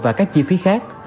và các chi phí khác